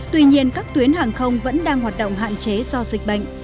tuy nhiên các tuyến hàng không vẫn đang hoạt động hạn chế do dịch bệnh